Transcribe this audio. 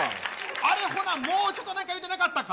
あれ、ほな、もうちょっとなんか言うてなかったか？